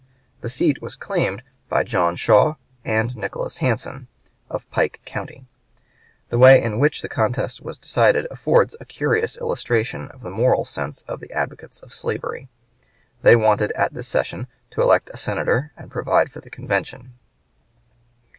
The seat was claimed by John Shaw and Nicholas Hansen, of Pike County. The way in which the contest was decided affords a curious illustration of the moral sense of the advocates of slavery. They wanted at this session to elect a senator and provide for the convention.